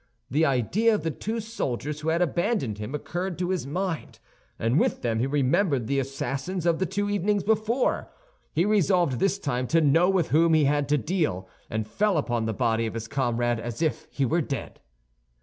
The idea of the two soldiers who had abandoned him occurred to his mind, and with them he remembered the assassins of two evenings before. He resolved this time to know with whom he had to deal, and fell upon the body of his comrade as if he were dead.